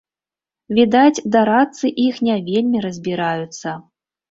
Відаць, дарадцы іх не вельмі разбіраюцца.